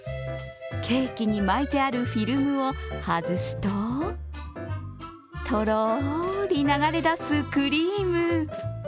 ケーキに巻いてあるフィルムを外すととろり流れだすクリーム。